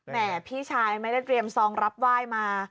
พี่ชายไม่ได้เตรียมซองรับไหว้มา